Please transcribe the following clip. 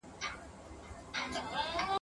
ایوب خان له بندي کېدو نه وو خوشاله.